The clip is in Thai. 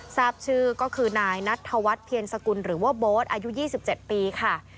ทราบชื่อก็คือนายนัทธวัฒน์เพียรสกุลหรือว่าโบ๊ทอายุ๒๗ปีค่ะ